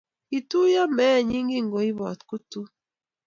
Kituiyo meenyi kingoibot kutuk